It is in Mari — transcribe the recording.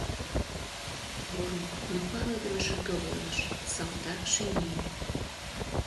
Поро, но палыдыме шӱргывылыш, салтак шинель.